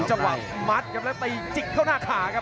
อื้อหือจังหวะขวางแล้วพยายามจะเล่นงานด้วยซอกแต่วงใน